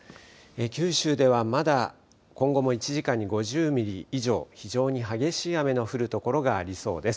九州ではまだ今後も１時間に５０ミリ以上、非常に激しい雨の降る所がありそうです。